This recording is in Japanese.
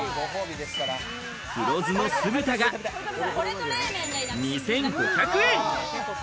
黒酢の酢豚が２５００円。